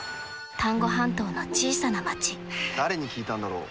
丹後半島の小さな町誰に聞いたんだろう。